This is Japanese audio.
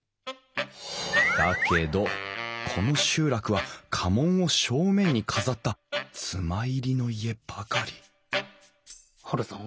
だけどこの集落は家紋を正面に飾った妻入りの家ばかりハルさん？